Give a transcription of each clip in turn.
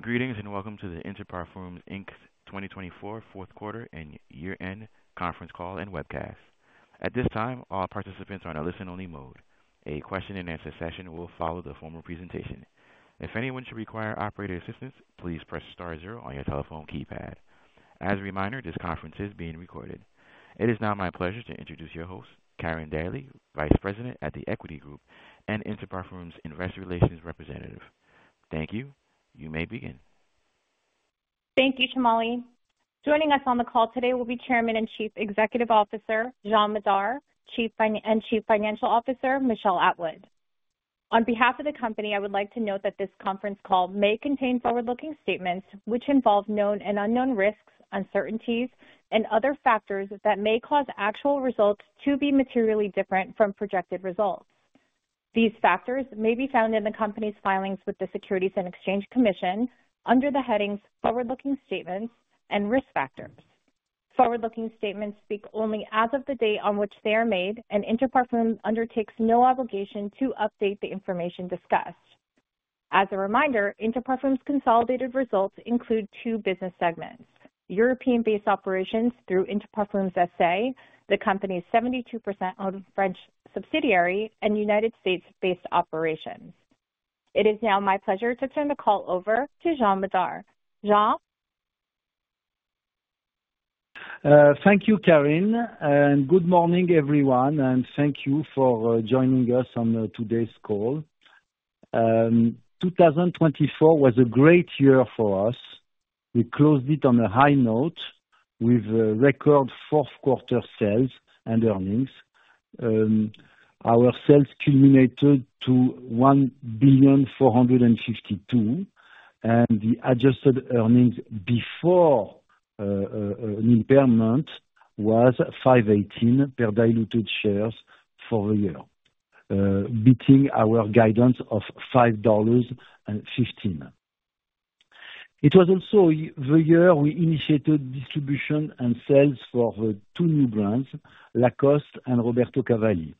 Greetings and welcome to the Inter Parfums, Inc.'s 2024 Fourth Quarter and Year End Conference Call and Webcast. At this time, all participants are in a listen-only mode. A question-and-answer session will follow the formal presentation. If anyone should require operator assistance, please press star zero on your telephone keypad. As a reminder, this conference is being recorded. It is now my pleasure to introduce your host, Karin Daly, Vice President at The Equity Group and Inter Parfums Investor Relations Representative. Thank you. You may begin. Thank you, Timoly. Joining us on the call today will be Chairman and Chief Executive Officer Jean Madar and Chief Financial Officer Michel Atwood. On behalf of the company, I would like to note that this conference call may contain forward-looking statements which involve known and unknown risks, uncertainties, and other factors that may cause actual results to be materially different from projected results. These factors may be found in the company's filings with the Securities and Exchange Commission under the headings Forward-Looking Statements and Risk Factors. Forward-looking statements speak only as of the date on which they are made, and Inter Parfums undertakes no obligation to update the information discussed. As a reminder, Inter Parfums' consolidated results include two business segments: European-based operations through Inter Parfums SA, the company's 72% owned French subsidiary, and United States-based operations. It is now my pleasure to turn the call over to Jean Madar. Jean? Thank you, Karin, and good morning, everyone, and thank you for joining us on today's call. 2024 was a great year for us. We closed it on a high note with record Fourth Quarter sales and earnings. Our sales culminated to $1.452 billion, and the adjusted earnings before an impairment was $5.18 per diluted shares for the year, beating our guidance of $5.15. It was also the year we initiated distribution and sales for two new brands, Lacoste and Roberto Cavalli.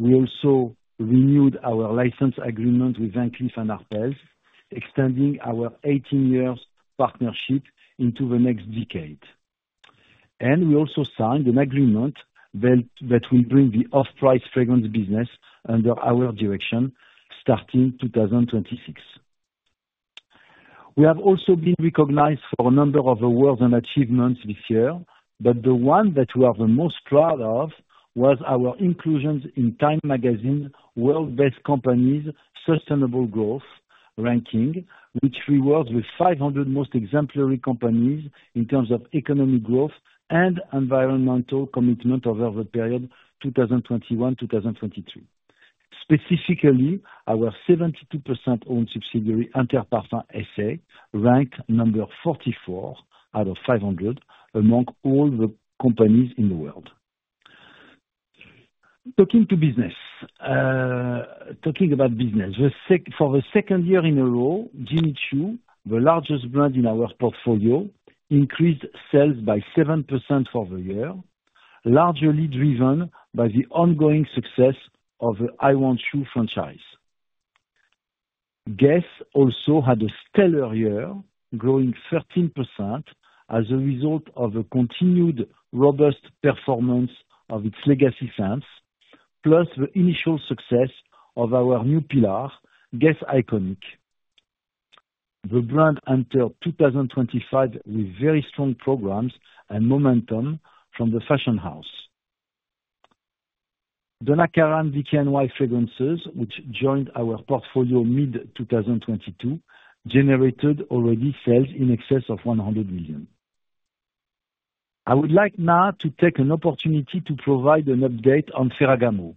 We also renewed our license agreement with Van Cleef & Arpels, extending our 18-year partnership into the next decade. We also signed an agreement that will bring the Off-White fragrance business under our direction starting 2026. We have also been recognized for a number of awards and achievements this year, but the one that we are the most proud of was our inclusion in Time Magazine's World's Best Companies Sustainable Growth Ranking, which rewards the 500 most exemplary companies in terms of economic growth and environmental commitment over the period 2021-2023. Specifically, our 72% owned subsidiary, Inter Parfums SA, ranked number 44 out of 500 among all the companies in the world. Talking to business, talking about business, for the second year in a row, Jimmy Choo, the largest brand in our portfolio, increased sales by 7% for the year, largely driven by the ongoing success of the I Want Choo franchise. Guess also had a stellar year, growing 13% as a result of the continued robust performance of its legacy scents, plus the initial success of our new pillar, Guess Iconic. The brand entered 2025 with very strong programs and momentum from the fashion house. The Lacoste and DKNY fragrances, which joined our portfolio mid-2022, generated already sales in excess of $100 million. I would like now to take an opportunity to provide an update on Ferragamo.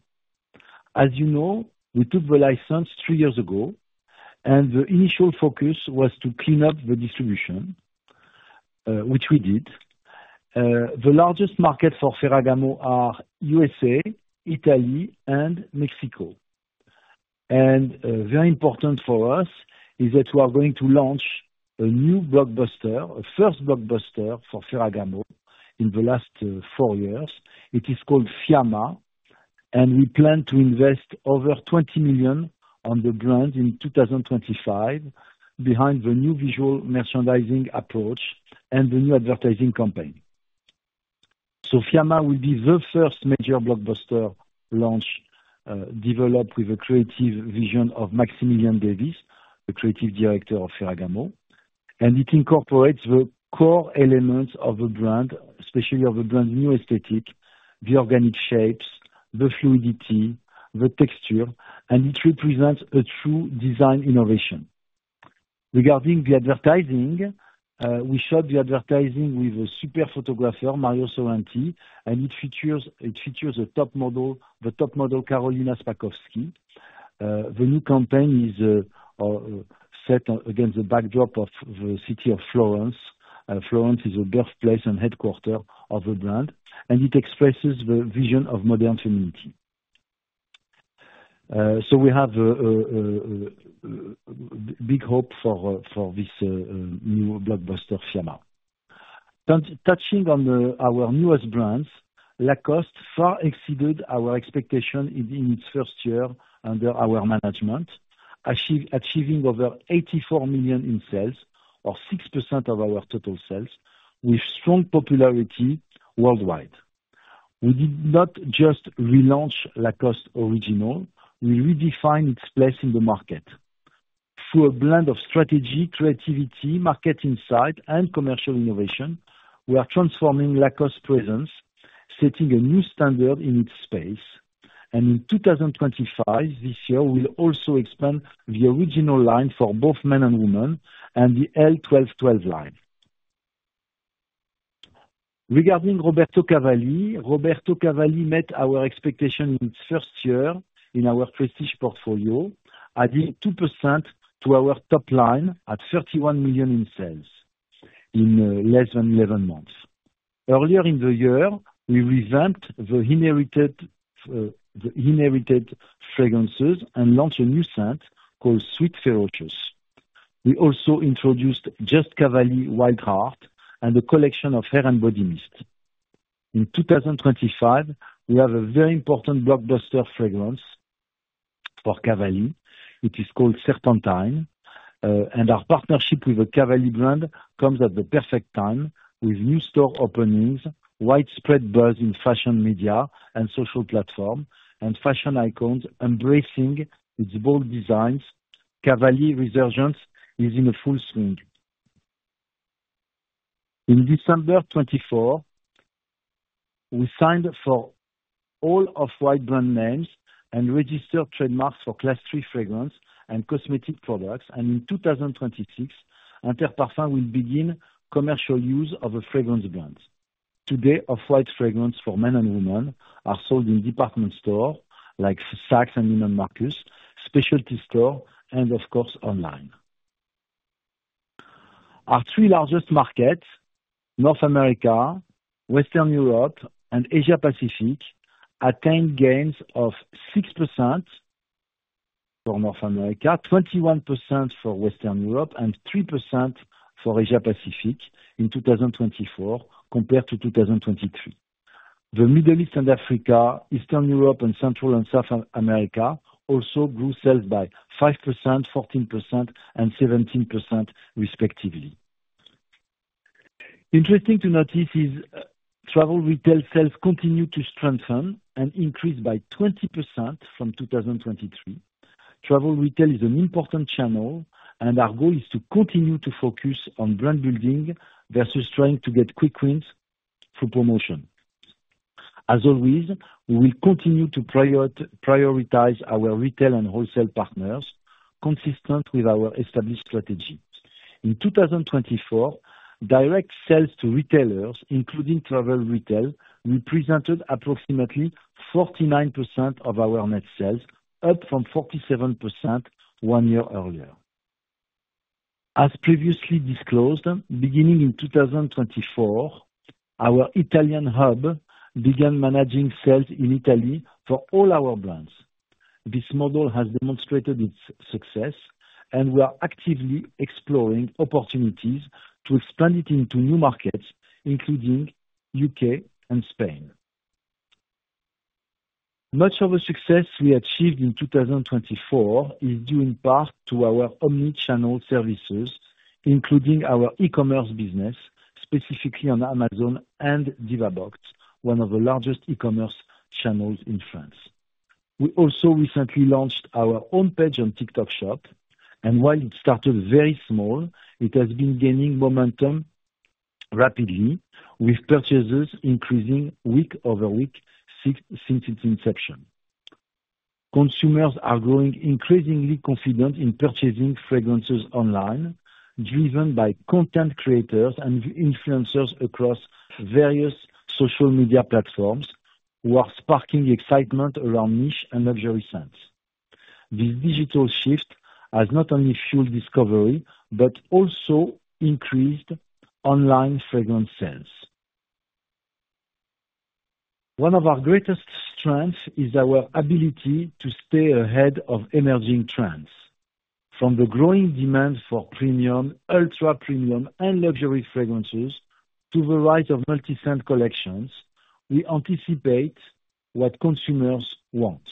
As you know, we took the license three years ago, and the initial focus was to clean up the distribution, which we did. The largest markets for Ferragamo are USA, Italy, and Mexico. And very important for us is that we are going to launch a new blockbuster, a first blockbuster for Ferragamo in the last four years. It is called Fiamma, and we plan to invest over $20 million on the brand in 2025, behind the new visual merchandising approach and the new advertising campaign. Fiamma will be the first major blockbuster launch developed with a creative vision of Maximilian Davis, the creative director of Ferragamo. And it incorporates the core elements of the brand, especially of the brand's new aesthetic, the organic shapes, the fluidity, the texture, and it represents a true design innovation. Regarding the advertising, we shot the advertising with a super photographer, Mario Sorrenti, and it features the top model, Karolina Spakowski. The new campaign is set against the backdrop of the city of Florence. Florence is the birthplace and headquarters of the brand, and it expresses the vision of modern femininity. We have big hope for this new blockbuster Fiamma. Touching on our newest brands, Lacoste far exceeded our expectations in its first year under our management, achieving over $84 million in sales, or 6% of our total sales, with strong popularity worldwide. We did not just relaunch Lacoste Original. We redefined its place in the market. Through a blend of strategy, creativity, market insight, and commercial innovation, we are transforming Lacoste's presence, setting a new standard in its space. And in 2025, this year, we'll also expand the original line for both men and women and the L.12.12 line. Regarding Roberto Cavalli, Roberto Cavalli met our expectations in its first year in our prestige portfolio, adding 2% to our top line at $31 million in sales in less than 11 months. Earlier in the year, we revamped the inherited fragrances and launched a new scent called Sweet Ferocious. We also introduced Just Cavalli Wild Heart and a collection of Hair and Body Mist. In 2025, we have a very important blockbuster fragrance for Cavalli. It is called Serpentine, and our partnership with the Cavalli brand comes at the perfect time with new store openings, widespread buzz in fashion media and social platforms, and fashion icons embracing its bold designs. Cavalli resurgence is in full swing. In December 2024, we signed for all Off-White brand names and registered trademarks for Class 3 fragrance and cosmetic products, and in 2026, Inter Parfums will begin commercial use of a fragrance brand. Today, Off-White fragrances for men and women are sold in department stores like Saks and Neiman Marcus, specialty stores, and of course, online. Our three largest markets, North America, Western Europe, and Asia-Pacific, attained gains of 6% for North America, 21% for Western Europe, and 3% for Asia-Pacific in 2024, compared to 2023. The Middle East and Africa, Eastern Europe, and Central and South America also grew sales by 5%, 14%, and 17%, respectively. Interesting to note is travel retail sales continue to strengthen and increase by 20% from 2023. Travel retail is an important channel, and our goal is to continue to focus on brand building versus trying to get quick wins through promotion. As always, we will continue to prioritize our retail and wholesale partners, consistent with our established strategy. In 2024, direct sales to retailers, including travel retail, represented approximately 49% of our net sales, up from 47% one year earlier. As previously disclosed, beginning in 2024, our Italian hub began managing sales in Italy for all our brands. This model has demonstrated its success, and we are actively exploring opportunities to expand it into new markets, including the U.K. and Spain. Much of the success we achieved in 2024 is due in part to our omnichannel services, including our e-commerce business, specifically on Amazon and Divabox, one of the largest e-commerce channels in France. We also recently launched our own page on TikTok Shop, and while it started very small, it has been gaining momentum rapidly, with purchases increasing week over week since its inception. Consumers are growing increasingly confident in purchasing fragrances online, driven by content creators and influencers across various social media platforms, who are sparking excitement around niche and luxury scents. This digital shift has not only fueled discovery but also increased online fragrance sales. One of our greatest strengths is our ability to stay ahead of emerging trends. From the growing demand for premium, ultra-premium, and luxury fragrances to the rise of multi-scent collections, we anticipate what consumers want.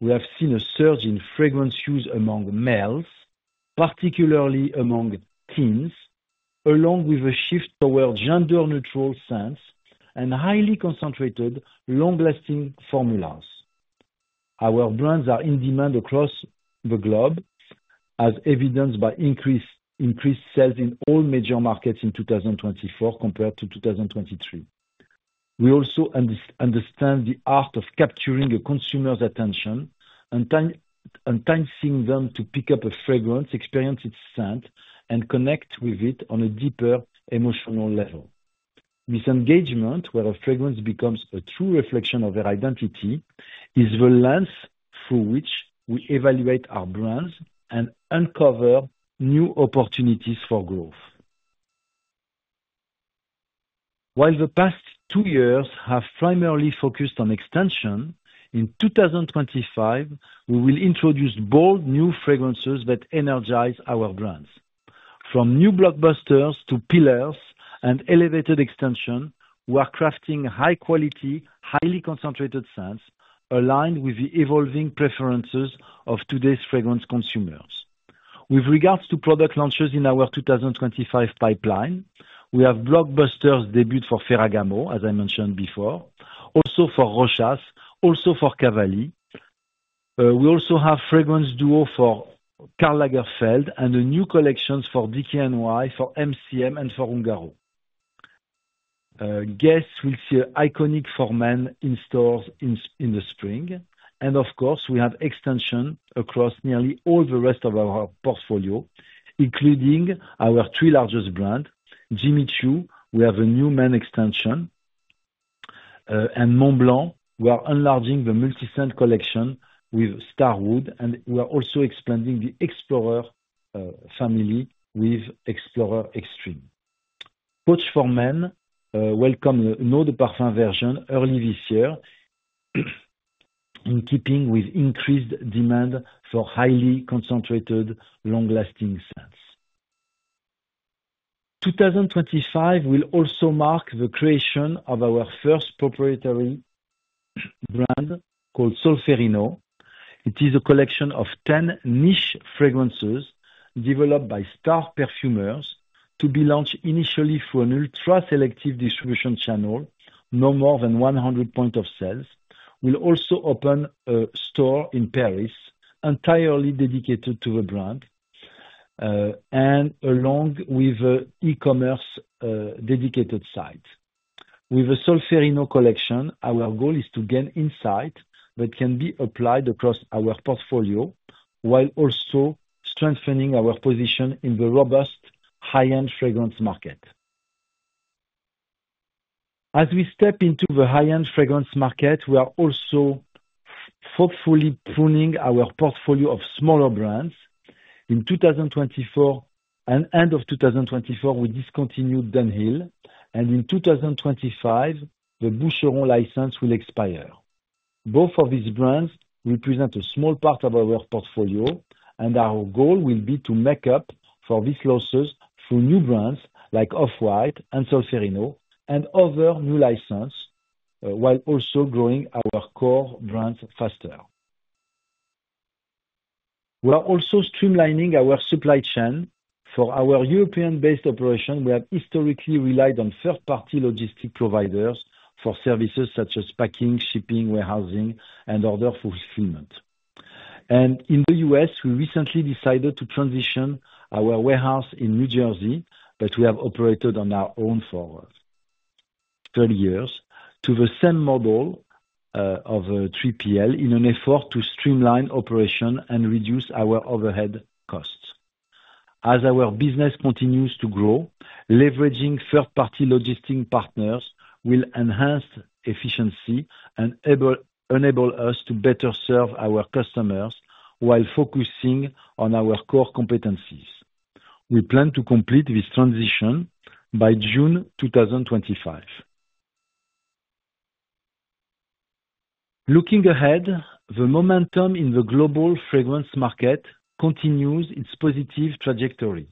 We have seen a surge in fragrance use among males, particularly among teens, along with a shift toward gender-neutral scents and highly concentrated, long-lasting formulas. Our brands are in demand across the globe, as evidenced by increased sales in all major markets in 2024 compared to 2023. We also understand the art of capturing a consumer's attention and enticing them to pick up a fragrance, experience its scent, and connect with it on a deeper emotional level. This engagement, where a fragrance becomes a true reflection of their identity, is the lens through which we evaluate our brands and uncover new opportunities for growth. While the past two years have primarily focused on extension, in 2025, we will introduce bold new fragrances that energize our brands. From new blockbusters to pillars and elevated extension, we are crafting high-quality, highly concentrated scents aligned with the evolving preferences of today's fragrance consumers. With regards to product launches in our 2025 pipeline, we have blockbuster debuts for Ferragamo, as I mentioned before, also for Rochas, also for Cavalli. We also have fragrance duos for Karl Lagerfeld and the new collections for DKNY, for MCM, and for Ungaro. Guess will see an Iconic for men in stores in the spring. And of course, we have extension across nearly all the rest of our portfolio, including our three largest brands. Jimmy Choo, we have a new men extension, and Montblanc, we are enlarging the multi-scent collection with Starwalker, and we are also expanding the Explorer family with Explorer Extreme. Coach for men welcomed the Eau de Parfum version early this year, in keeping with increased demand for highly concentrated, long-lasting scents. 2025 will also mark the creation of our first proprietary brand called Solférino. It is a collection of 10 niche fragrances developed by star perfumers to be launched initially through an ultra-selective distribution channel, no more than 100 points of sale. We'll also open a store in Paris entirely dedicated to the brand and along with an e-commerce dedicated site. With the Solferino collection, our goal is to gain insight that can be applied across our portfolio while also strengthening our position in the robust high-end fragrance market. As we step into the high-end fragrance market, we are also thoughtfully pruning our portfolio of smaller brands. In 2024, and end of 2024, we discontinued Dunhill, and in 2025, the Boucheron license will expire. Both of these brands represent a small part of our portfolio, and our goal will be to make up for these losses through new brands like Off-White and Solferino and other new licenses, while also growing our core brands faster. We are also streamlining our supply chain for our European-based operation. We have historically relied on third-party logistics providers for services such as packing, shipping, warehousing, and order fulfillment and in the U.S., we recently decided to transition our warehouse in New Jersey, but we have operated on our own for 30 years to the same model of 3PL in an effort to streamline operations and reduce our overhead costs. As our business continues to grow, leveraging third-party logistics partners will enhance efficiency and enable us to better serve our customers while focusing on our core competencies. We plan to complete this transition by June 2025. Looking ahead, the momentum in the global fragrance market continues its positive trajectory,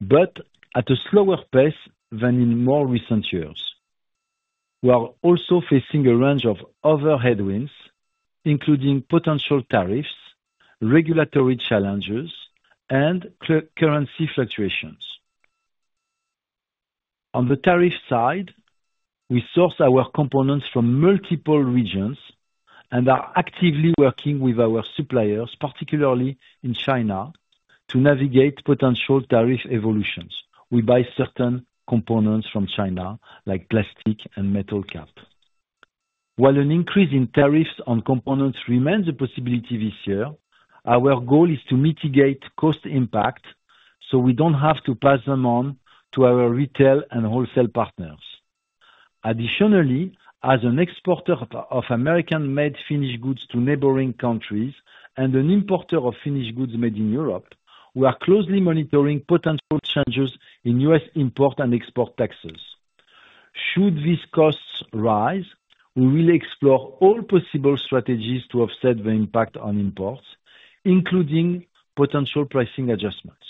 but at a slower pace than in more recent years. We are also facing a range of other headwinds, including potential tariffs, regulatory challenges, and currency fluctuations. On the tariff side, we source our components from multiple regions and are actively working with our suppliers, particularly in China, to navigate potential tariff evolutions. We buy certain components from China, like plastic and metal caps. While an increase in tariffs on components remains a possibility this year, our goal is to mitigate cost impact so we don't have to pass them on to our retail and wholesale partners. Additionally, as an exporter of American-made finished goods to neighboring countries and an importer of finished goods made in Europe, we are closely monitoring potential changes in U.S. import and export taxes. Should these costs rise, we will explore all possible strategies to offset the impact on imports, including potential pricing adjustments.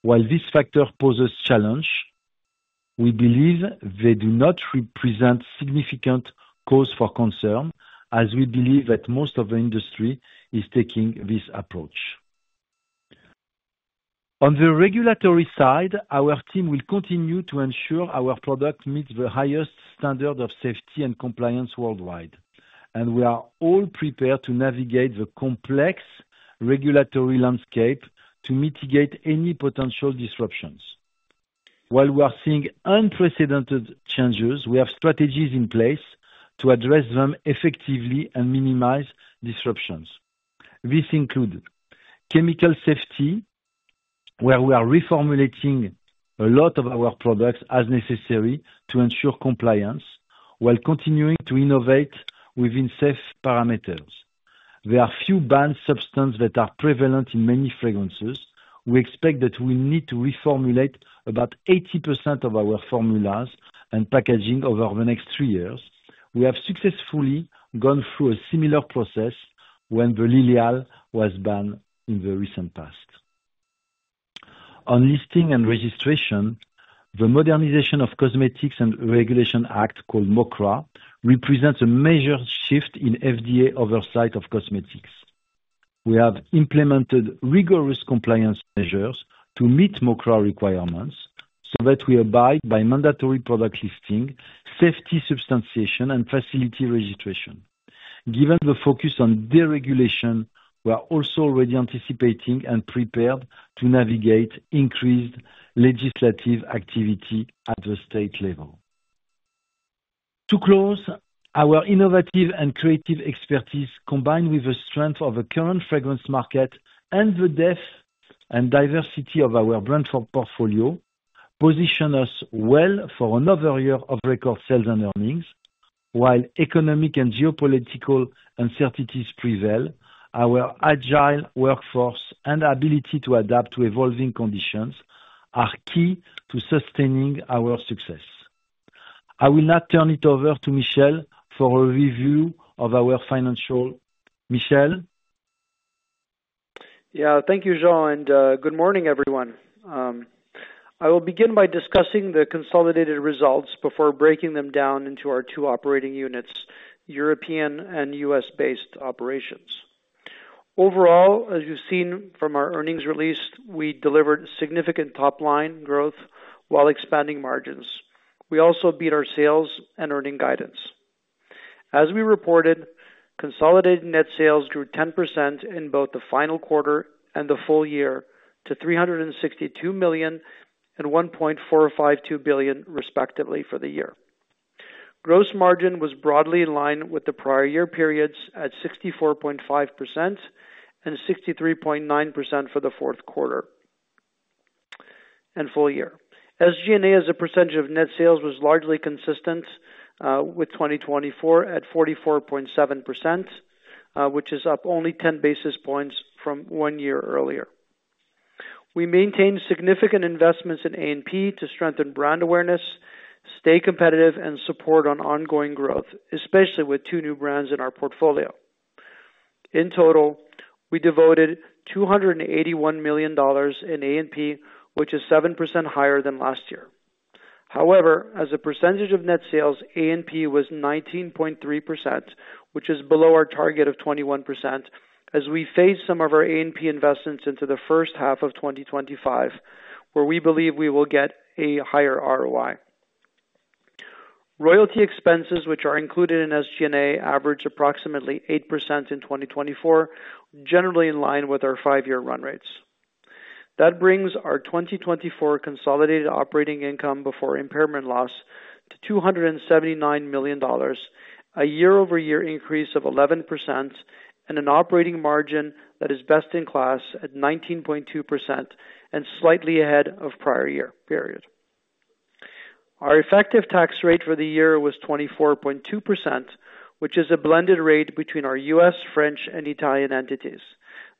While this factor poses challenges, we believe they do not represent significant cause for concern, as we believe that most of the industry is taking this approach. On the regulatory side, our team will continue to ensure our product meets the highest standards of safety and compliance worldwide, and we are all prepared to navigate the complex regulatory landscape to mitigate any potential disruptions. While we are seeing unprecedented changes, we have strategies in place to address them effectively and minimize disruptions. This includes chemical safety, where we are reformulating a lot of our products as necessary to ensure compliance while continuing to innovate within safe parameters. There are few banned substances that are prevalent in many fragrances. We expect that we need to reformulate about 80% of our formulas and packaging over the next three years. We have successfully gone through a similar process when the Lilial was banned in the recent past. On listing and registration, the Modernization of Cosmetics Regulation Act, called MoCRA, represents a major shift in FDA oversight of cosmetics. We have implemented rigorous compliance measures to meet MoCRA requirements so that we abide by mandatory product listing, safety substantiation, and facility registration. Given the focus on deregulation, we are also already anticipating and prepared to navigate increased legislative activity at the state level. To close, our innovative and creative expertise, combined with the strength of the current fragrance market and the depth and diversity of our brand portfolio, position us well for another year of record sales and earnings. While economic and geopolitical uncertainties prevail, our agile workforce and ability to adapt to evolving conditions are key to sustaining our success. I will now turn it over to Michel for a review of our financials. Michel? Yeah, thank you, Jean, and good morning, everyone. I will begin by discussing the consolidated results before breaking them down into our two operating units, European and US-based operations. Overall, as you've seen from our earnings release, we delivered significant top-line growth while expanding margins. We also beat our sales and earnings guidance. As we reported, consolidated net sales grew 10% in both the final quarter and the full year to $362 million and $1.452 billion, respectively, for the year. Gross margin was broadly in line with the prior year periods at 64.5% and 63.9% for the fourth quarter and full year. SG&A's percentage of net sales was largely consistent with 2024 at 44.7%, which is up only 10 basis points from one year earlier. We maintained significant investments in A&P to strengthen brand awareness, stay competitive, and support ongoing growth, especially with two new brands in our portfolio. In total, we devoted $281 million in A&P, which is 7% higher than last year. However, as a percentage of net sales, A&P was 19.3%, which is below our target of 21%, as we phase some of our A&P investments into the first half of 2025, where we believe we will get a higher ROI. Royalty expenses, which are included in SG&A, averaged approximately 8% in 2024, generally in line with our five-year run rates. That brings our 2024 consolidated operating income before impairment loss to $279 million, a year-over-year increase of 11%, and an operating margin that is best in class at 19.2% and slightly ahead of the prior year period. Our effective tax rate for the year was 24.2%, which is a blended rate between our U.S., French, and Italian entities.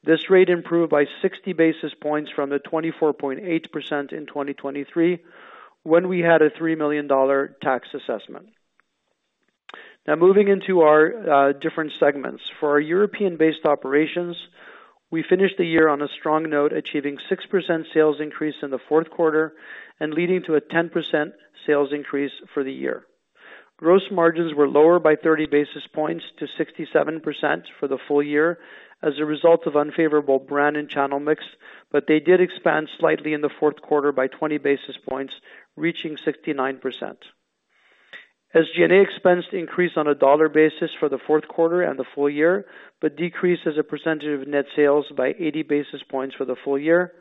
This rate improved by 60 basis points from the 24.8% in 2023 when we had a $3 million tax assessment. Now, moving into our different segments. For our European-based operations, we finished the year on a strong note, achieving a 6% sales increase in the fourth quarter and leading to a 10% sales increase for the year. Gross margins were lower by 30 basis points to 67% for the full year as a result of unfavorable brand and channel mix, but they did expand slightly in the fourth quarter by 20 basis points, reaching 69%. SG&A expenses increased on a dollar basis for the fourth quarter and the full year, but decreased as a percentage of net sales by 80 basis points for the full year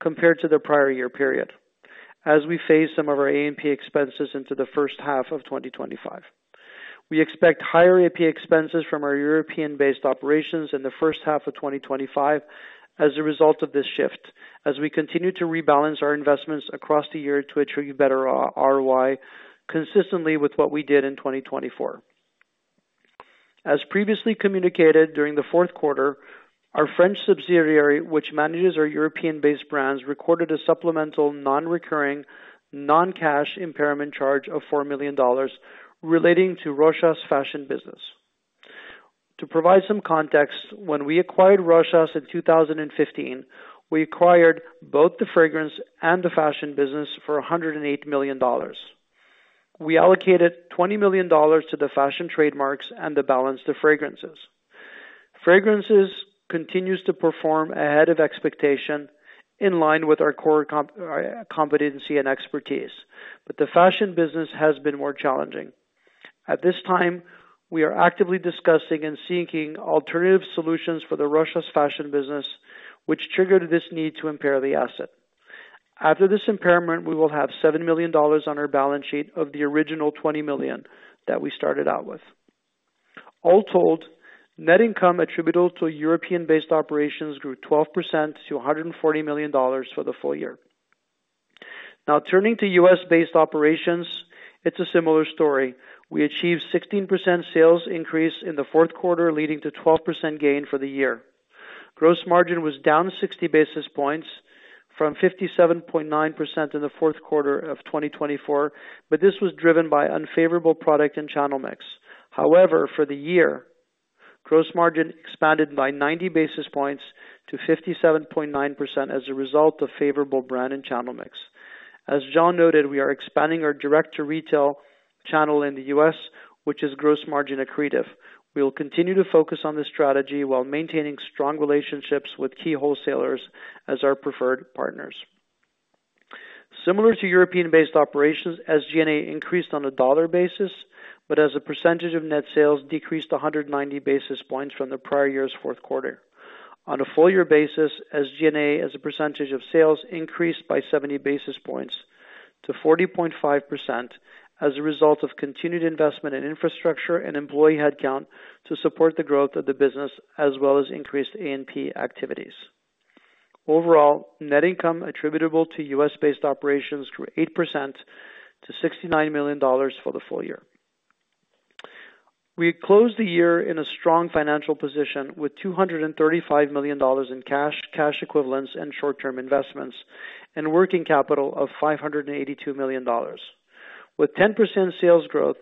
compared to the prior year period, as we phase some of our A&P expenses into the first half of 2025. We expect higher A&P expenses from our European-based operations in the first half of 2025 as a result of this shift, as we continue to rebalance our investments across the year to achieve better ROI, consistent with what we did in 2024. As previously communicated during the fourth quarter, our French subsidiary, which manages our European-based brands, recorded a supplemental non-recurring non-cash impairment charge of $4 million relating to Rochas fashion business. To provide some context, when we acquired Rochas in 2015, we acquired both the fragrance and the fashion business for $108 million. We allocated $20 million to the fashion trademarks and to balance the fragrances. Fragrances continue to perform ahead of expectation, in line with our core competency and expertise, but the fashion business has been more challenging. At this time, we are actively discussing and seeking alternative solutions for the Rochas fashion business, which triggered this need to impair the asset. After this impairment, we will have $7 million on our balance sheet of the original $20 million that we started out with. All told, net income attributable to European-based operations grew 12% to $140 million for the full year. Now, turning to US-based operations, it's a similar story. We achieved a 16% sales increase in the fourth quarter, leading to a 12% gain for the year. Gross margin was down 60 basis points from 57.9% in the fourth quarter of 2024, but this was driven by unfavorable product and channel mix. However, for the year, gross margin expanded by 90 basis points to 57.9% as a result of favorable brand and channel mix. As Jean noted, we are expanding our direct-to-retail channel in the US, which is gross margin accretive. We will continue to focus on this strategy while maintaining strong relationships with key wholesalers as our preferred partners. Similar to European-based operations, SG&A increased on a dollar basis, but as a percentage of net sales, decreased to 190 basis points from the prior year's fourth quarter. On a full-year basis, SG&A as a percentage of sales increased by 70 basis points to 40.5% as a result of continued investment in infrastructure and employee headcount to support the growth of the business, as well as increased A&P activities. Overall, net income attributable to US-based operations grew 8% to $69 million for the full year. We closed the year in a strong financial position with $235 million in cash, cash equivalents, and short-term investments, and working capital of $582 million. With 10% sales growth,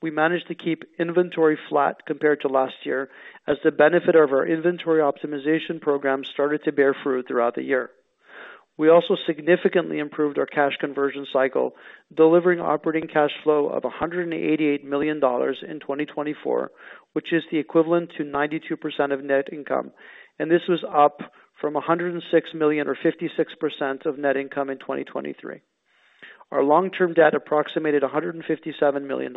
we managed to keep inventory flat compared to last year as the benefit of our inventory optimization program started to bear fruit throughout the year. We also significantly improved our cash conversion cycle, delivering operating cash flow of $188 million in 2024, which is the equivalent to 92% of net income, and this was up from $106 million, or 56% of net income, in 2023. Our long-term debt approximated $157 million and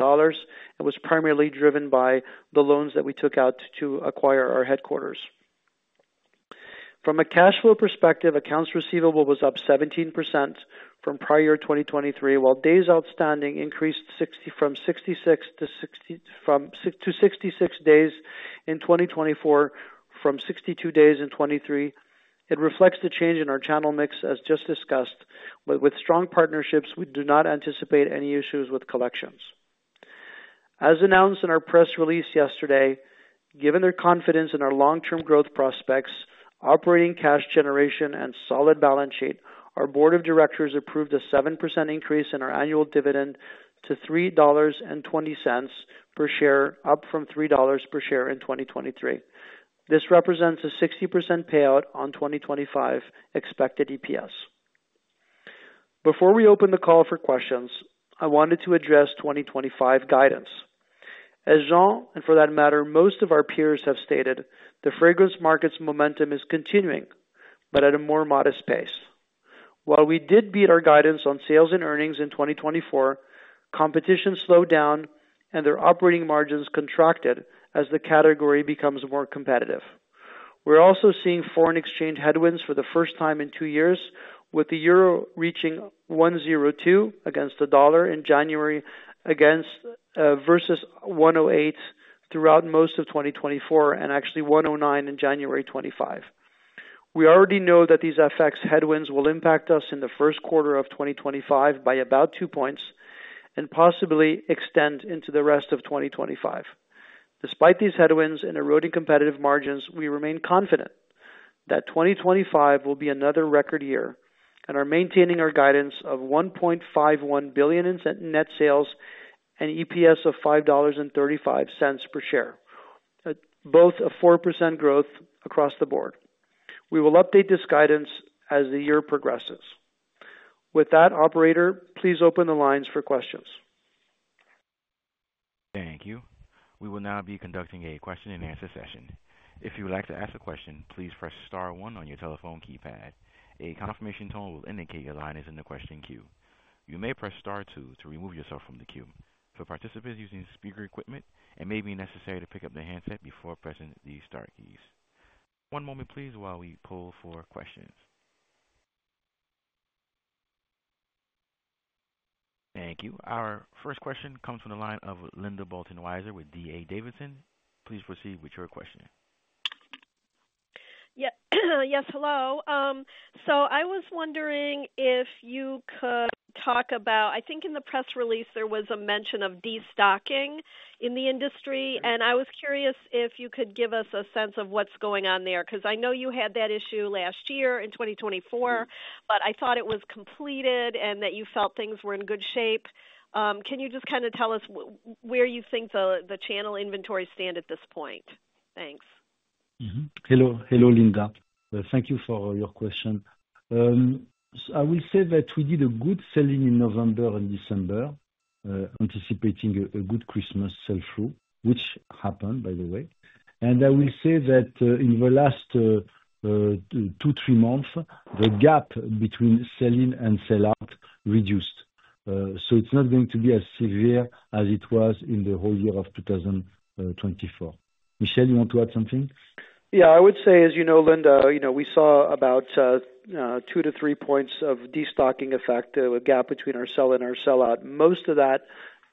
was primarily driven by the loans that we took out to acquire our headquarters. From a cash flow perspective, accounts receivable was up 17% from prior year 2023, while days outstanding increased from 66 to 66 days in 2024 from 62 days in 2023. It reflects the change in our channel mix, as just discussed, but with strong partnerships, we do not anticipate any issues with collections. As announced in our press release yesterday, given their confidence in our long-term growth prospects, operating cash generation, and solid balance sheet, our board of directors approved a 7% increase in our annual dividend to $3.20 per share, up from $3 per share in 2023. This represents a 60% payout on 2025 expected EPS. Before we open the call for questions, I wanted to address 2025 guidance. As Jean, and for that matter, most of our peers have stated, the fragrance market's momentum is continuing, but at a more modest pace. While we did beat our guidance on sales and earnings in 2024, competition slowed down and their operating margins contracted as the category becomes more competitive. We're also seeing foreign exchange headwinds for the first time in two years, with the euro reaching 102 against the dollar in January versus 108 throughout most of 2024, and actually 109 in January 2025. We already know that these FX headwinds will impact us in the first quarter of 2025 by about two points and possibly extend into the rest of 2025. Despite these headwinds and eroding competitive margins, we remain confident that 2025 will be another record year and are maintaining our guidance of $1.51 billion in net sales and EPS of $5.35 per share, both a 4% growth across the board. We will update this guidance as the year progresses. With that, operator, please open the lines for questions. Thank you. We will now be conducting a question-and-answer session. If you would like to ask a question, please press Star 1 on your telephone keypad. A confirmation tone will indicate your line is in the question queue. You may press Star 2 to remove yourself from the queue. For participants using speaker equipment, it may be necessary to pick up the handset before pressing the star keys. One moment, please, while we poll for questions. Thank you. Our first question comes from the line of Linda Bolton Weiser with D.A. Davidson. Please proceed with your question. Yes. Hello. So I was wondering if you could talk about, I think in the press release, there was a mention of destocking in the industry, and I was curious if you could give us a sense of what's going on there because I know you had that issue last year in 2024, but I thought it was completed and that you felt things were in good shape. Can you just kind of tell us where you think the channel inventories stand at this point? Thanks. Hello. Hello, Linda. Thank you for your question. I will say that we did a good sell-in in November and December, anticipating a good Christmas sell-through, which happened, by the way. And I will say that in the last two, three months, the gap between sell-in and sell-out reduced. So it's not going to be as severe as it was in the whole year of 2024. Michel, you want to add something? Yeah. I would say, as you know, Linda, we saw about two to three points of destocking effect, a gap between our sell-in and our sell-out. Most of that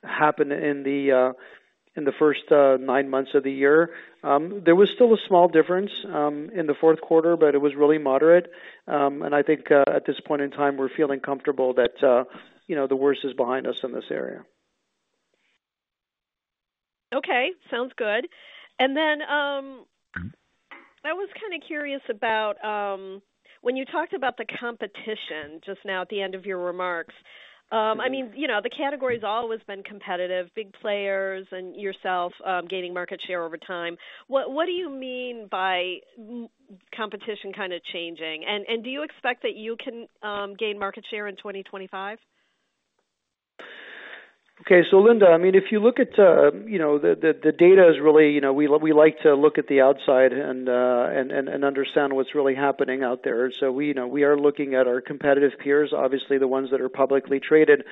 happened in the first nine months of the year. There was still a small difference in the fourth quarter, but it was really moderate. And I think at this point in time, we're feeling comfortable that the worst is behind us in this area. Okay. Sounds good. And then I was kind of curious about when you talked about the competition just now at the end of your remarks. I mean, the category has always been competitive, big players and yourself gaining market share over time. What do you mean by competition kind of changing? And do you expect that you can gain market share in 2025? Okay. So, Linda, I mean, if you look at the data is really we like to look at the outside and understand what's really happening out there. So we are looking at our competitive peers, obviously the ones that are publicly traded.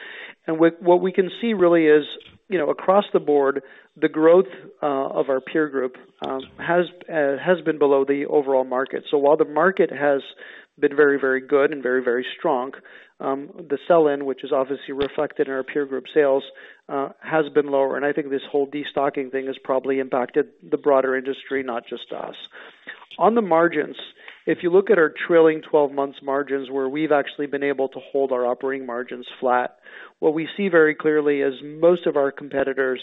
And what we can see really is across the board, the growth of our peer group has been below the overall market. So while the market has been very, very good and very, very strong, the sell-in, which is obviously reflected in our peer group sales, has been lower. And I think this whole destocking thing has probably impacted the broader industry, not just us. On the margins, if you look at our trailing 12-month margins where we've actually been able to hold our operating margins flat, what we see very clearly is most of our competitors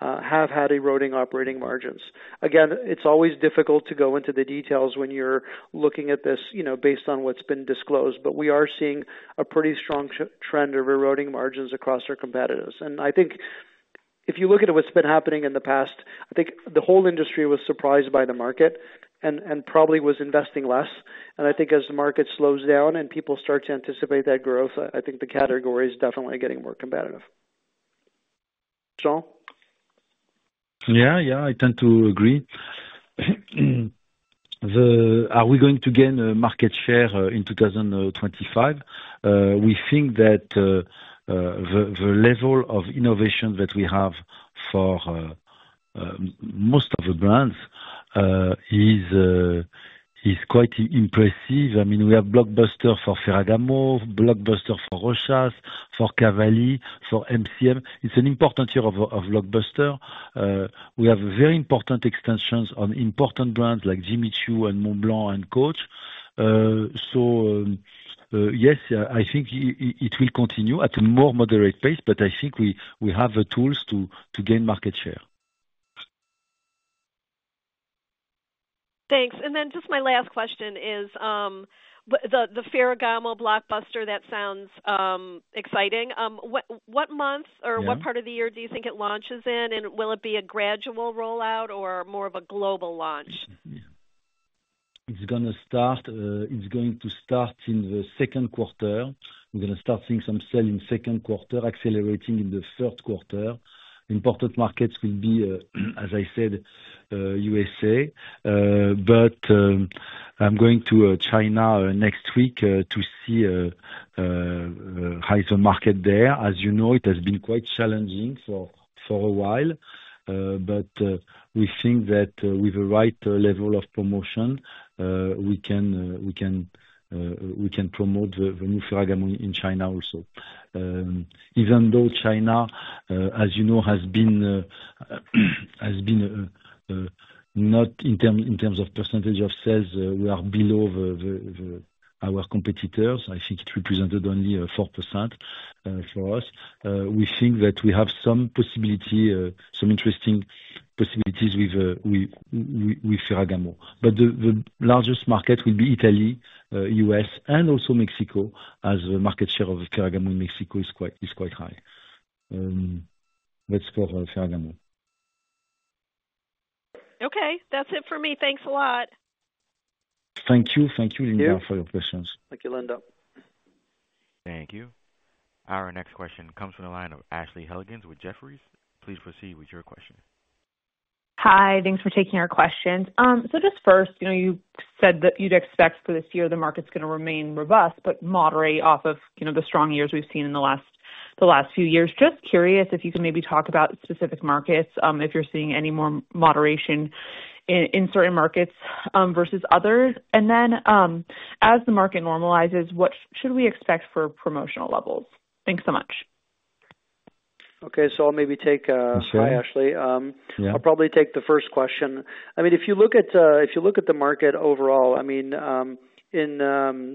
have had eroding operating margins. Again, it's always difficult to go into the details when you're looking at this based on what's been disclosed, but we are seeing a pretty strong trend of eroding margins across our competitors. And I think if you look at what's been happening in the past, I think the whole industry was surprised by the market and probably was investing less. And I think as the market slows down and people start to anticipate that growth, I think the category is definitely getting more competitive. Jean? Yeah. Yeah. I tend to agree. Are we going to gain market share in 2025? We think that the level of innovation that we have for most of the brands is quite impressive. I mean, we have blockbuster for Ferragamo, blockbuster for Rochas, for Cavalli, for MCM. It's an important year of blockbuster. We have very important extensions on important brands like Jimmy Choo and Montblanc and Coach. So yes, I think it will continue at a more moderate pace, but I think we have the tools to gain market share. Thanks. And then just my last question is the Ferragamo blockbuster, that sounds exciting. What month or what part of the year do you think it launches in? And will it be a gradual rollout or more of a global launch? It's going to start in the second quarter. We're going to start seeing some sell-in second quarter accelerating in the third quarter. Important markets will be, as I said, USA, but I'm going to China next week to see how's the market there. As you know, it has been quite challenging for a while, but we think that with the right level of promotion, we can promote the new Ferragamo in China also. Even though China, as you know, has been not in terms of percentage of sales, we are below our competitors. I think it represented only 4% for us. We think that we have some interesting possibilities with Ferragamo. But the largest market will be Italy, US, and also Mexico, as the market share of Ferragamo in Mexico is quite high. That's for Ferragamo. Okay. That's it for me. Thanks a lot. Thank you. Thank you, Linda, for your questions. Thank you, Linda. Thank you. Our next question comes from the line of Ashley Helgans with Jefferies. Please proceed with your question. Hi. Thanks for taking our questions. So just first, you said that you'd expect for this year the market's going to remain robust but moderate off of the strong years we've seen in the last few years. Just curious if you can maybe talk about specific markets, if you're seeing any more moderation in certain markets versus others. And then as the market normalizes, what should we expect for promotional levels? Thanks so much. Okay. So I'll maybe take a hi, Ashley. I'll probably take the first question. I mean, if you look at the market overall, I mean, in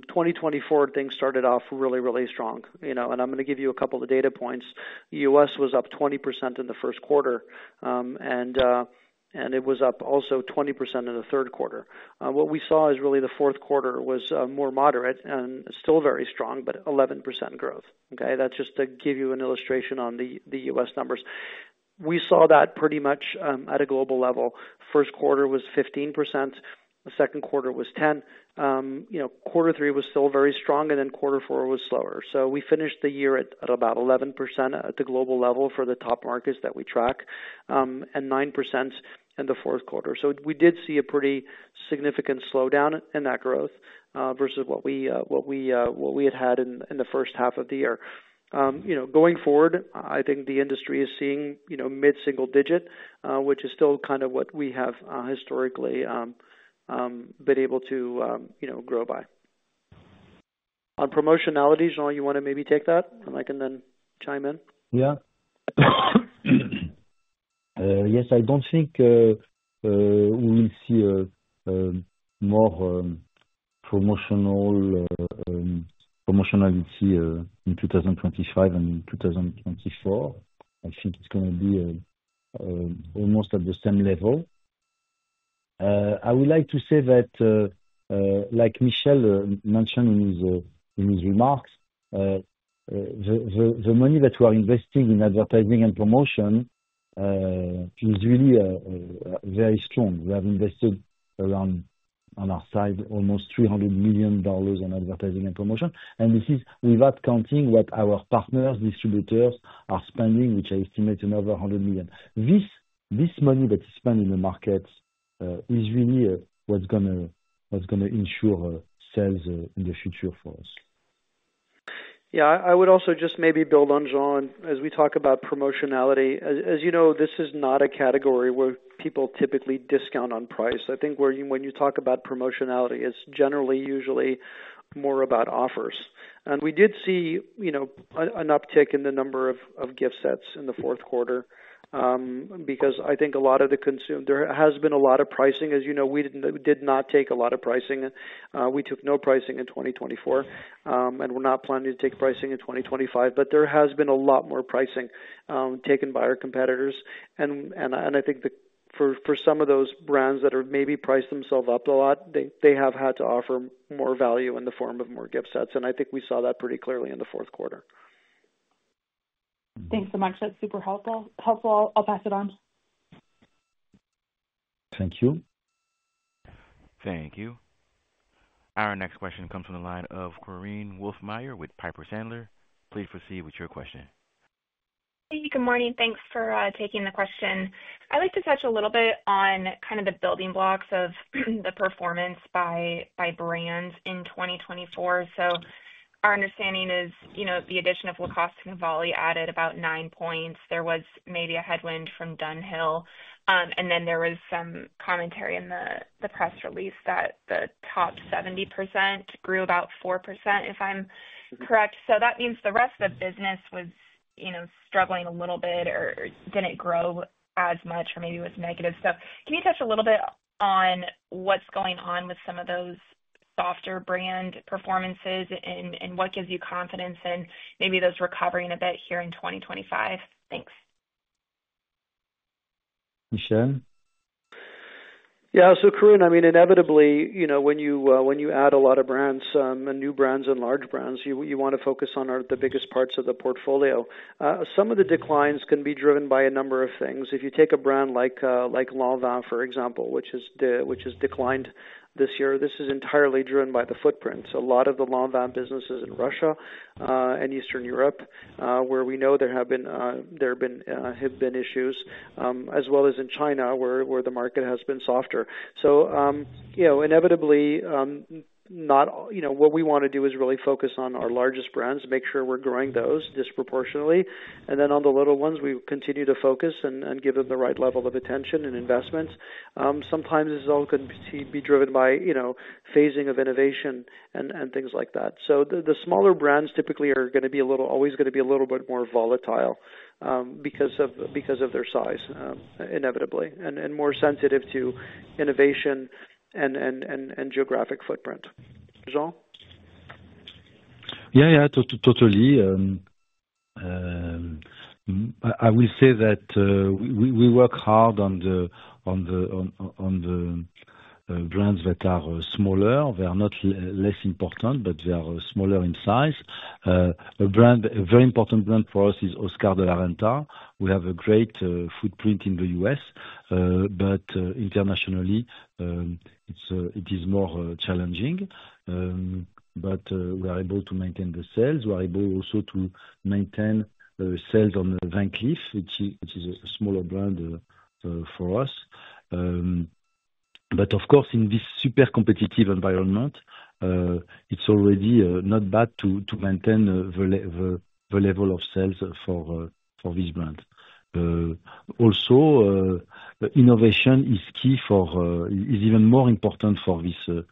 2024, things started off really, really strong. I'm going to give you a couple of data points. The US was up 20% in the first quarter, and it was up also 20% in the third quarter. What we saw is really the fourth quarter was more moderate and still very strong, but 11% growth. Okay? That's just to give you an illustration on the US numbers. We saw that pretty much at a global level. First quarter was 15%. The second quarter was 10%. Quarter three was still very strong, and then quarter four was slower. So we finished the year at about 11% at the global level for the top markets that we track, and 9% in the fourth quarter. So we did see a pretty significant slowdown in that growth versus what we had had in the first half of the year. Going forward, I think the industry is seeing mid-single digit, which is still kind of what we have historically been able to grow by. On promotionalities, Jean, you want to maybe take that, and I can then chime in? Yeah. Yes. I don't think we will see more promotionality in 2025 and in 2024. I think it's going to be almost at the same level. I would like to say that, like Michel mentioned in his remarks, the money that we are investing in advertising and promotion is really very strong. We have invested around, on our side, almost $300 million on advertising and promotion. And this is without counting what our partners, distributors, are spending, which I estimate another $100 million. This money that is spent in the markets is really what's going to ensure sales in the future for us. Yeah. I would also just maybe build on Jean as we talk about promotionality. As you know, this is not a category where people typically discount on price. I think when you talk about promotionality, it's generally usually more about offers, and we did see an uptick in the number of gift sets in the fourth quarter because I think a lot of the consumer there has been a lot of pricing. As you know, we did not take a lot of pricing. We took no pricing in 2024, and we're not planning to take pricing in 2025, but there has been a lot more pricing taken by our competitors, and I think for some of those brands that have maybe priced themselves up a lot, they have had to offer more value in the form of more gift sets. I think we saw that pretty clearly in the fourth quarter. Thanks so much. That's super helpful. I'll pass it on. Thank you. Thank you. Our next question comes from the line of Korinne Wolfmeyer with Piper Sandler. Please proceed with your question. Hey. Good morning. Thanks for taking the question. I'd like to touch a little bit on kind of the building blocks of the performance by brands in 2024. Our understanding is the addition of Lacoste and Lanvin added about nine points. There was maybe a headwind from Dunhill. Then there was some commentary in the press release that the top 70% grew about 4%, if I'm correct. That means the rest of the business was struggling a little bit or didn't grow as much or maybe was negative. So can you touch a little bit on what's going on with some of those softer brand performances and what gives you confidence in maybe those recovering a bit here in 2025? Thanks. Michel? Yeah. So Korinne, I mean, inevitably, when you add a lot of brands, new brands, and large brands, you want to focus on the biggest parts of the portfolio. Some of the declines can be driven by a number of things. If you take a brand like Lanvin, for example, which has declined this year, this is entirely driven by the footprint. So a lot of the Lanvin businesses in Russia and Eastern Europe, where we know there have been issues, as well as in China, where the market has been softer. So inevitably, what we want to do is really focus on our largest brands, make sure we're growing those disproportionately. And then on the little ones, we continue to focus and give them the right level of attention and investment. Sometimes this all can be driven by phasing of innovation and things like that. So the smaller brands typically are going to be a little always going to be a little bit more volatile because of their size, inevitably, and more sensitive to innovation and geographic footprint. Jean? Yeah. Yeah. Totally. I will say that we work hard on the brands that are smaller. They are not less important, but they are smaller in size. A very important brand for us is Oscar de la Renta. We have a great footprint in the U.S., but internationally, it is more challenging. But we are able to maintain the sales. We are able also to maintain sales on Van Cleef, which is a smaller brand for us. But of course, in this super competitive environment, it's already not bad to maintain the level of sales for this brand. Also, innovation is key and is even more important for this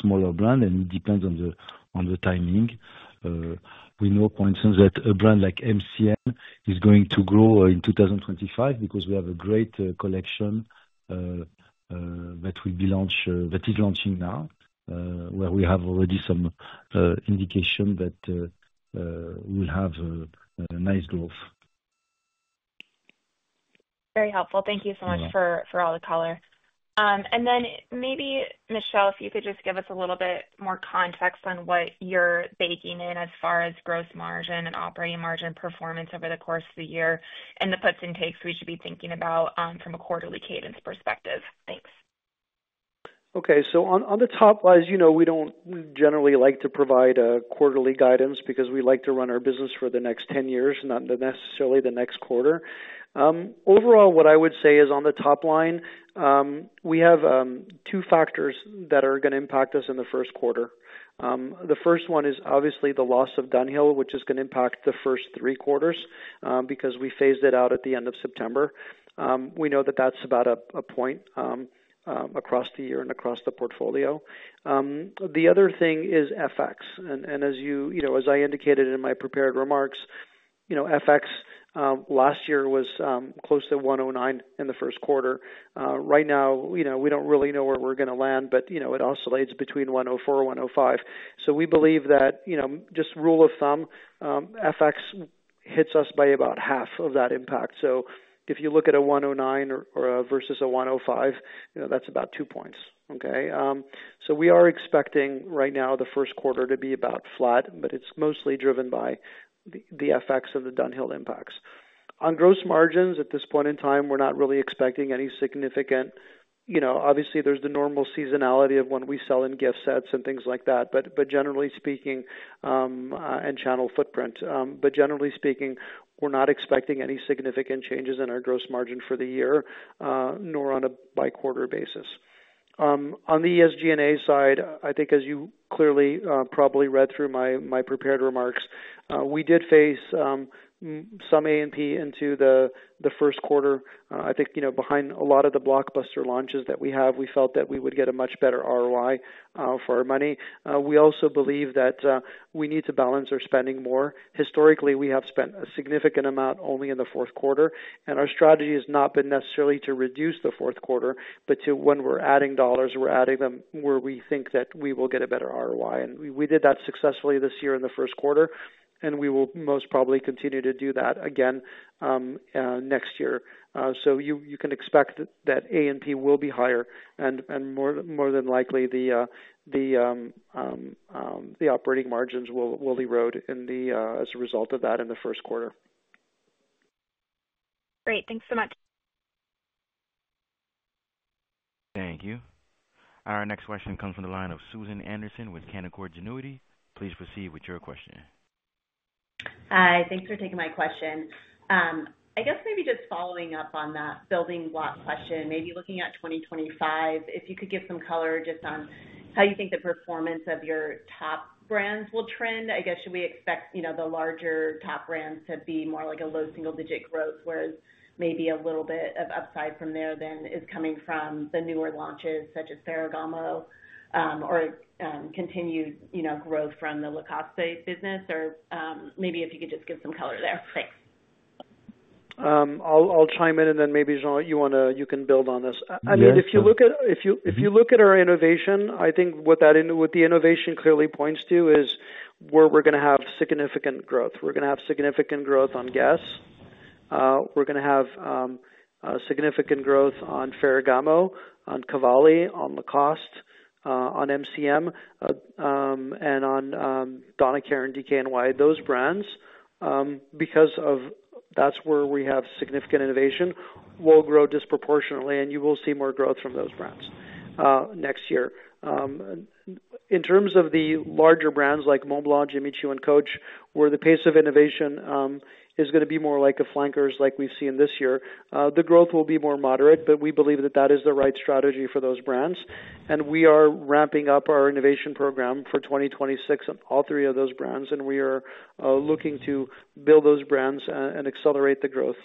smaller brand, and it depends on the timing. We know, for instance, that a brand like MCM is going to grow in 2025 because we have a great collection that will be launched that is launching now, where we have already some indication that we'll have nice growth. Very helpful. Thank you so much for all the color. And then maybe, Michel, if you could just give us a little bit more context on what you're baking in as far as gross margin and operating margin performance over the course of the year and the puts and takes we should be thinking about from a quarterly cadence perspective. Thanks. Okay. So on the top, as you know, we don't generally like to provide quarterly guidance because we like to run our business for the next 10 years, not necessarily the next quarter. Overall, what I would say is on the top line, we have two factors that are going to impact us in the first quarter. The first one is obviously the loss of Dunhill, which is going to impact the first three quarters because we phased it out at the end of September. We know that that's about a point across the year and across the portfolio. The other thing is FX. And as I indicated in my prepared remarks, FX last year was close to 109 in the first quarter. Right now, we don't really know where we're going to land, but it oscillates between 104-105. So we believe that it's a rule of thumb, FX hits us by about half of that impact. So if you look at a 109 versus a 105, that's about two points. Okay? So we are expecting right now the first quarter to be about flat, but it's mostly driven by the FX and the Dunhill impacts. On gross margins, at this point in time, we're not really expecting any significant. Obviously, there's the normal seasonality of when we sell in gift sets and things like that, but generally speaking, and channel footprint. But generally speaking, we're not expecting any significant changes in our gross margin for the year, nor on a quarterly basis. On the SG&A side, I think, as you clearly probably read through my prepared remarks, we did face some A&P into the first quarter. I think behind a lot of the blockbuster launches that we have, we felt that we would get a much better ROI for our money. We also believe that we need to balance our spending more. Historically, we have spent a significant amount only in the fourth quarter. Our strategy has not been necessarily to reduce the fourth quarter, but when we're adding dollars, we're adding them where we think that we will get a better ROI. We did that successfully this year in the first quarter, and we will most probably continue to do that again next year. So you can expect that A and P will be higher, and more than likely, the operating margins will erode as a result of that in the first quarter. Great. Thanks so much. Thank you. Our next question comes from the line of Susan Anderson with Canaccord Genuity. Please proceed with your question. Hi. Thanks for taking my question. I guess maybe just following up on that building block question, maybe looking at 2025, if you could give some color just on how you think the performance of your top brands will trend. I guess should we expect the larger top brands to be more like a low single-digit growth, whereas maybe a little bit of upside from there then is coming from the newer launches such as Ferragamo or continued growth from the Lacoste business? Or maybe if you could just give some color there. Thanks. I'll chime in, and then maybe, Jean, you can build on this. I mean, if you look at our innovation, I think what the innovation clearly points to is where we're going to have significant growth. We're going to have significant growth on Guess. We're going to have significant growth on Ferragamo, on Cavalli, on Lacoste, on MCM, and on Donna Karan and DKNY, those brands. Because that's where we have significant innovation, we'll grow disproportionately, and you will see more growth from those brands next year. In terms of the larger brands like Montblanc, Jimmy Choo, and Coach, where the pace of innovation is going to be more like a flankers like we've seen this year, the growth will be more moderate, but we believe that that is the right strategy for those brands. And we are ramping up our innovation program for 2026 on all three of those brands, and we are looking to build those brands and accelerate the growth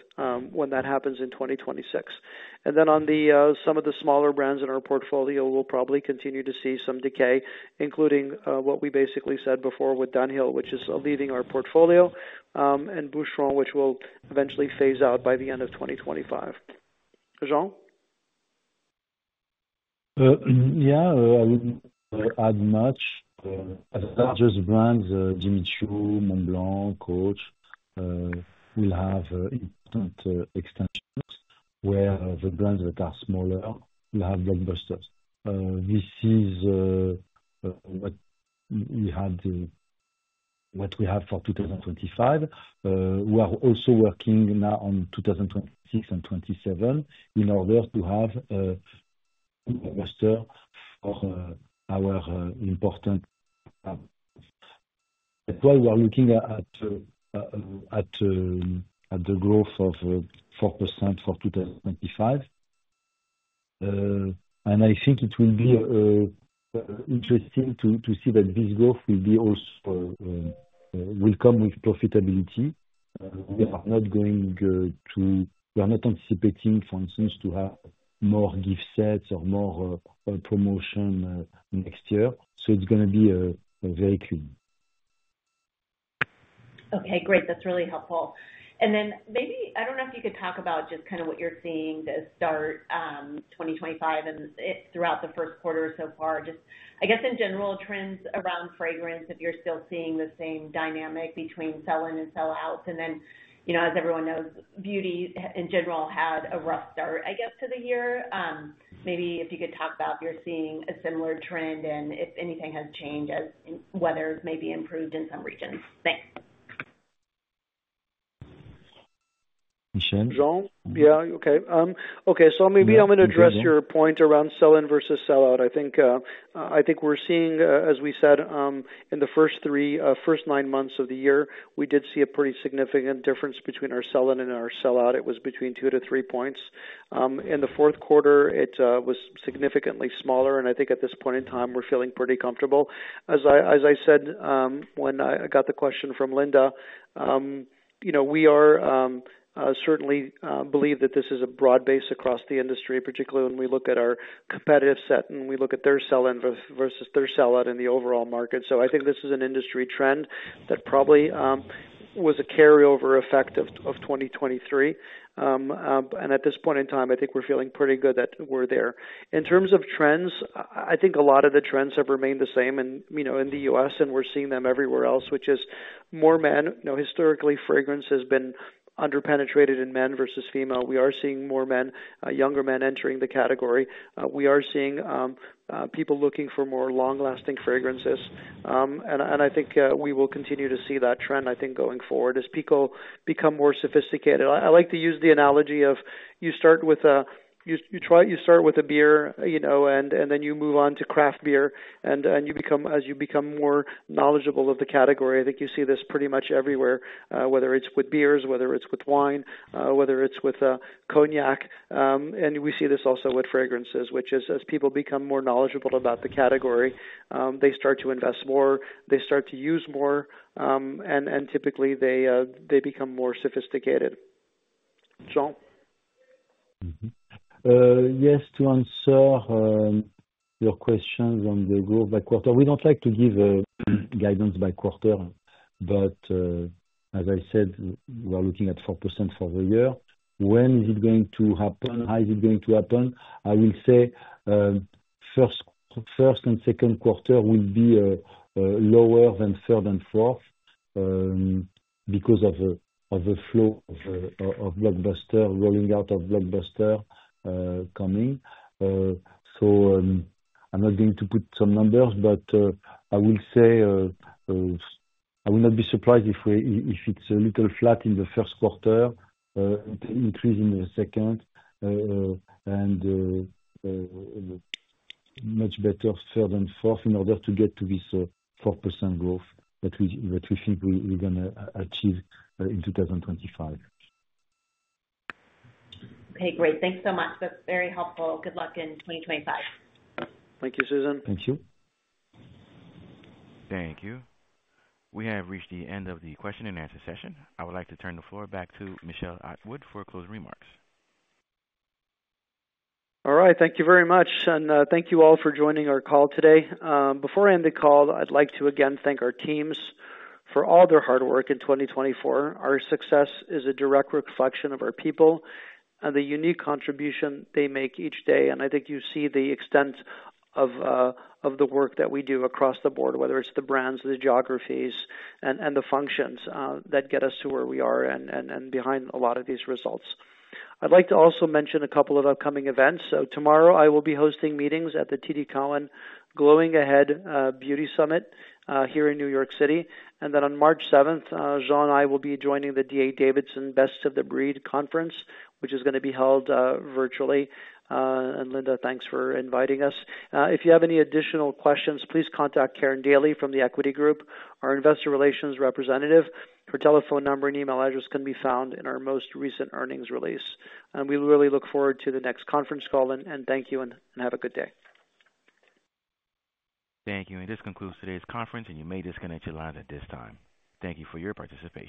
when that happens in 2026. And then on some of the smaller brands in our portfolio, we'll probably continue to see some decay, including what we basically said before with Dunhill, which is leading our portfolio, and Boucheron, which will eventually phase out by the end of 2025. Jean? Yeah. I wouldn't add much. As far as just brands, Jimmy Choo, Montblanc, Coach, we'll have extensions where the brands that are smaller will have blockbusters. This is what we have for 2025. We are also working now on 2026 and 2027 in order to have a blockbuster for our important brands. That's why we are looking at the growth of 4% for 2025. And I think it will be interesting to see that this growth will come with profitability. We are not anticipating, for instance, to have more gift sets or more promotion next year. So it's going to be very clean. Okay. Great. That's really helpful. And then maybe I don't know if you could talk about just kind of what you're seeing to start 2025 and throughout the first quarter so far. Just, I guess, in general, trends around fragrance, if you're still seeing the same dynamic between sell-in and sell-out. And then, as everyone knows, beauty in general had a rough start, I guess, to the year. Maybe if you could talk about if you're seeing a similar trend and if anything has changed, as weather has maybe improved in some regions. Thanks. Michel? Jean? Yeah. Okay. Okay. So maybe I'm going to address your point around sell-in versus sell-out. I think we're seeing, as we said, in the first nine months of the year, we did see a pretty significant difference between our sell-in and our sell-out. It was between two to three points. In the fourth quarter, it was significantly smaller, and I think at this point in time, we're feeling pretty comfortable. As I said when I got the question from Linda, we certainly believe that this is a broad base across the industry, particularly when we look at our competitive set and we look at their sell-in versus their sell-out in the overall market, so I think this is an industry trend that probably was a carryover effect of 2023, and at this point in time, I think we're feeling pretty good that we're there. In terms of trends, I think a lot of the trends have remained the same in the U.S., and we're seeing them everywhere else, which is more men. Historically, fragrance has been underpenetrated in men versus female. We are seeing more men, younger men entering the category. We are seeing people looking for more long-lasting fragrances. And I think we will continue to see that trend, I think, going forward as people become more sophisticated. I like to use the analogy of you start with a beer, and then you move on to craft beer. And as you become more knowledgeable of the category, I think you see this pretty much everywhere, whether it's with beers, whether it's with wine, whether it's with cognac. And we see this also with fragrances, which is as people become more knowledgeable about the category, they start to invest more, they start to use more, and typically, they become more sophisticated. Jean? Yes, to answer your question on the growth by quarter. We don't like to give guidance by quarter, but as I said, we are looking at 4% for the year. When is it going to happen? How is it going to happen? I will say first and second quarter will be lower than third and fourth because of the flow of blockbuster, rolling out of blockbuster coming. So I'm not going to put some numbers, but I will say I will not be surprised if it's a little flat in the first quarter, increase in the second, and much better third and fourth in order to get to this 4% growth that we think we're going to achieve in 2025. Okay. Great. Thanks so much. That's very helpful. Good luck in 2025. Thank you, Susan. Thank you. Thank you. We have reached the end of the question-and-answer session. I would like to turn the floor back to Michel Atwood for closing remarks. All right. Thank you very much, and thank you all for joining our call today. Before I end the call, I'd like to again thank our teams for all their hard work in 2024. Our success is a direct reflection of our people and the unique contribution they make each day, and I think you see the extent of the work that we do across the board, whether it's the brands, the geographies, and the functions that get us to where we are and behind a lot of these results. I'd like to also mention a couple of upcoming events, so tomorrow, I will be hosting meetings at the TD Cowen Glow Ahead Beauty Summit here in New York City, and then on March 7th, Jean and I will be joining the D.A. Davidson Best of the Breed Conference, which is going to be held virtually, and Linda, thanks for inviting us. If you have any additional questions, please contact Karin Daly from the Equity Group, our investor relations representative. Her telephone number and email address can be found in our most recent earnings release. And we really look forward to the next conference call. And thank you and have a good day. Thank you. And this concludes today's conference, and you may disconnect your line at this time. Thank you for your participation.